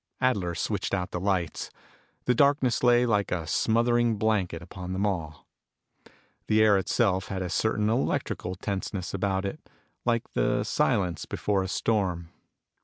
Adler switched out the lights. The darkness lay like a smothering blanket upon them all. The air itself had a certain electrical tenseness about it, like the silence before a storm.